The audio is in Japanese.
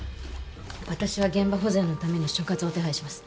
私は現場保全のために所轄を手配します。